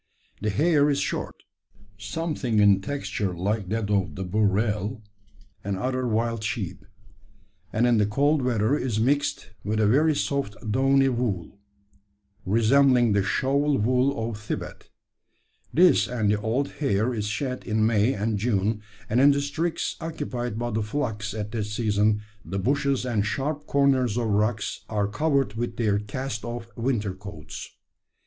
The hair is short, something in texture like that of the burrell and other wild sheep; and in the cold weather is mixed with a very soft downy wool, resembling the shawl wool of Thibet. This and the old hair is shed in May and June; and in districts occupied by the flocks at that season the bushes and sharp corners of rocks are covered with their cast off winter coats.